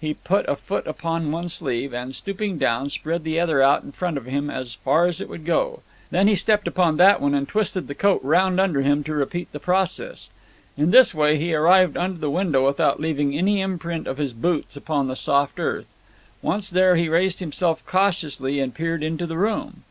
He put a foot upon one sleeve, and, stooping down, spread the other out in front of him as far as it would go. Then he stepped upon that one and twisted the coat round under him to repeat the process. In this way he arrived under the window without leaving any imprint of his boots upon the soft earth. Once there he raised himself cautiously and peered into the room.